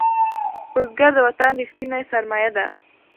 بزګر د وطن ریښتینی سرمایه ده